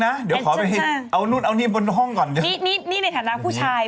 เดี๋ยวขอไปเอานู่นเอานี่บนห้องก่อนเดี๋ยวนี่นี่ในฐานะผู้ชาย